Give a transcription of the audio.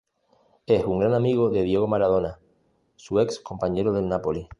Es un gran amigo de Diego Maradona, su ex compañero del Napoli.